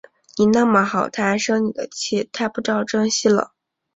你那么好，她还生你的气，太不知道珍惜了